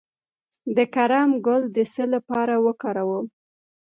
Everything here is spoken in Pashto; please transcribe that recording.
د کرم ګل د څه لپاره وکاروم؟